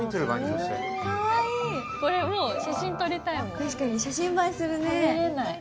確かに写真映えするねぇ。